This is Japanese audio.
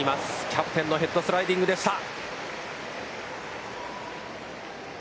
キャプテンのヘッドスライディングでした。